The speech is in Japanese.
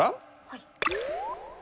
はい。